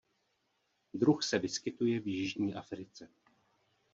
Druh se vyskytuje v jižní Africe.